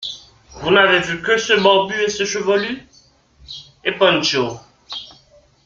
Vous n'avez vu que ce barbu et ce chevelu ? Et Panchaud.